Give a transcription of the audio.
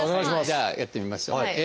じゃあやってみますよ。